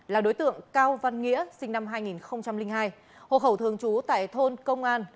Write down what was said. là đối tượng cao văn nghĩa sinh năm hai nghìn hai hồ hậu thường trú tại thôn công an